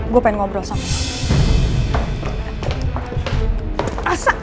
gue pengen ngobrol sama